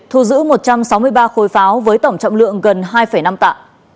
thu giữ một trăm sáu mươi ba khối pháo với tổng trọng lượng gần hai năm tạ